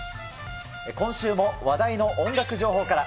今週も話題の音楽情報から。